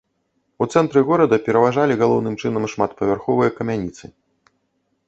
У цэнтры горада пераважалі галоўным чынам шматпавярховыя камяніцы.